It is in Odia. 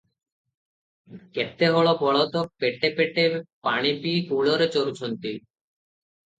କେତେ ହଳ ବଳଦ ପେଟେ ପେଟେ ପାଣିପିଇ କୂଳରେ ଚରୁଛନ୍ତି ।